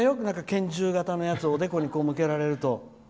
拳銃型のやつをおでこに向けられると。